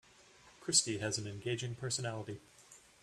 Christy has an engaging personality.